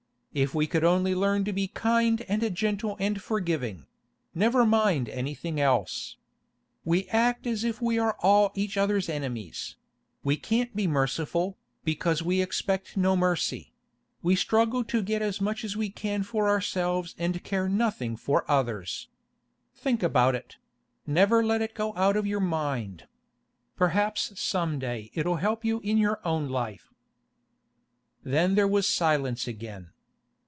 If we could only learn to be kind and gentle and forgiving—never mind anything else. We act as if we were all each other's enemies; we can't be merciful, because we expect no mercy; we struggle to get as much as we can for ourselves and care nothing for others. Think about it; never let it go out of your mind. Perhaps some day it'll help you in your own life.' Then there was silence again.